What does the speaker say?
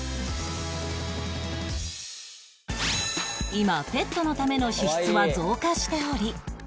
今ペットのための支出は増加しており